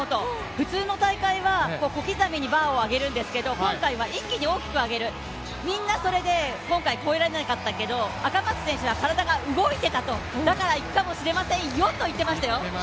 普通の大会は、小刻みにバーを上げるんですけど今回は一気に大きく上げる、みんなそれで今回跳べなかったけれど赤松選手は体が動いていたと、だからいくかもしれませんよと言っていました。